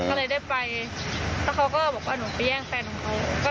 ก็เลยได้ไปแล้วเขาก็บอกว่าหนูไปแย่งแฟนของเขา